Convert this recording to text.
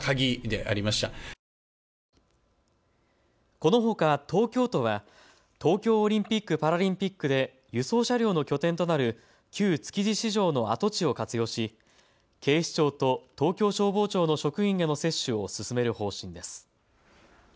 このほか東京都は東京オリンピック・パラリンピックで輸送車両の拠点となる旧築地市場の跡地を活用し、警視庁と東京消防庁の職員への接種を進める方針です。